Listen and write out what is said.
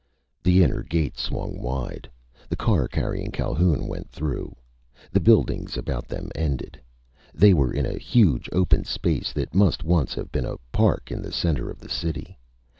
The inner gate swung wide. The car carrying Calhoun went through. The buildings about them ended. They were in a huge open space that must once have been a park in the center of the city.